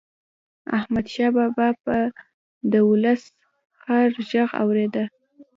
احمدشاه بابا به د ولس هر ږغ اورېده.